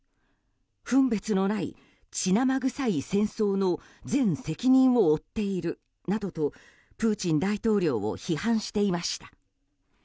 分別のない血生臭い戦争の全責任を負っているなどとプーチン大統領を批判していました。